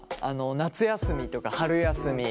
夏休みとか春休み。